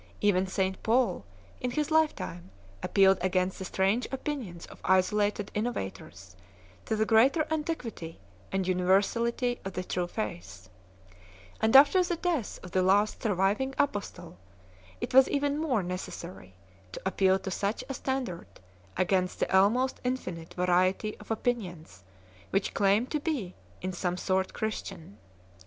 Even St Paul in his lifetime appealed against the strange opinions of isolated innovators to the greater antiquity and universality of the true faith 3 ; and after the death of the last surviving Apostle, it was even more necessary to appeal to such a standard against the almost infinite variety of opinions which claimed to be in some sort Christian.